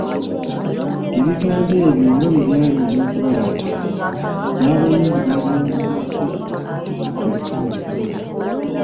Ebigambo ebyo nga bwe byali eby'okubalaata, n'abayimbi babyongerako ebigambo bingi nnyo.